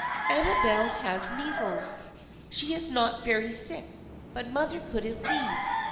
" Amabel has measles. She's not very sick, but mother couldn't leave.